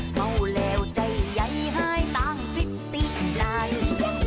เมาแล้วใจใหญ่หายต่างคิดติดหน้าเชียง